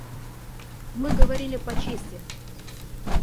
Мы говорили по чести.